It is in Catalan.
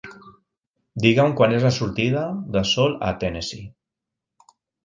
Diga'm quan és la sortida de sol a Tennessee